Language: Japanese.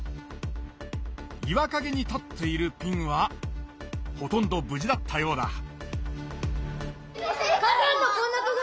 岩かげに立っているピンはほとんど無事だったようだ。